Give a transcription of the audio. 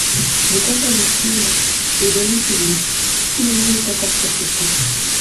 De quoi s’agit-il ? De données publiques – tout le monde s’accorde sur ce point.